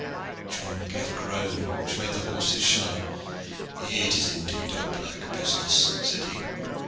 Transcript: John gave a groan which made the horses shy. "It is indeed a black business," said he.